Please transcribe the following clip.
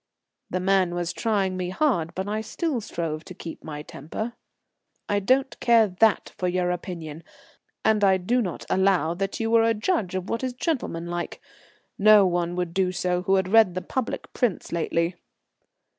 The man was trying me hard, but still I strove to keep my temper. "I don't care that for your opinion, and I do not allow that you are a judge of what is gentlemanlike. No one would do so who had read the public prints lately."